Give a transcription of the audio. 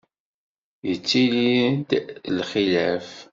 Yettili-d lxilaf.